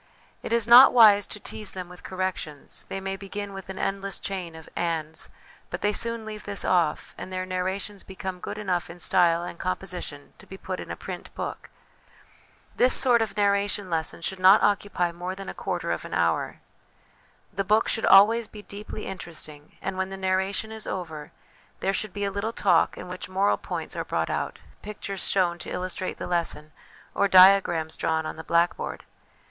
It is not wise to tease them with corrections ; they may begin with an endless chain of ' ands,' but they soon leave this off, and their narrations become good enough in style and composition to be put in a ' print book '! This sort of narration lesson should not occupy more than a quarter of an hour. The book should always be deeply interesting, and when the narration is over, there should be a little talk in which moral points are brought out, pictures shown to illustrate the lesson, or diagrams drawn on the blackboard.